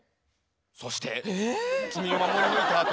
そして君を守り抜いたあと」。